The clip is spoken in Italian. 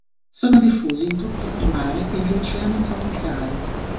Sono diffusi in tutti i mari e gli oceani tropicali.